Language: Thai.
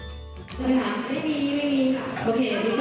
ไม่มีโอเค